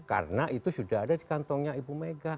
karena itu sudah ada di kantongnya ibu mega